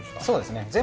そうですね。